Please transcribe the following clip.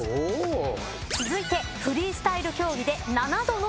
続いてフリースタイル競技で７度の世界一を獲得。